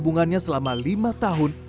menunggu tabungannya selama lima tahun